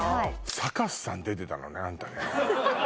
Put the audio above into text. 「サカスさん」出てたのねあんたね